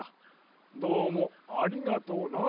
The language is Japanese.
どうもありがとうな。